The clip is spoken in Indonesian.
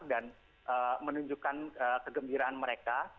dan menunjukkan kegembiraan mereka